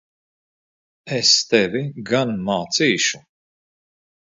Es tevi gan mācīšu!